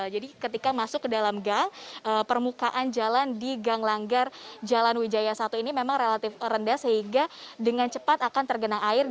jadi ketika masuk ke dalam gang permukaan jalan di gang langgar jalan wijaya satu ini memang relatif rendah sehingga dengan cepat akan tergenang air